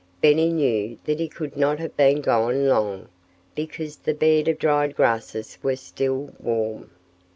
Benny knew that he could not have been gone long, because the bed of dried grasses was still warm.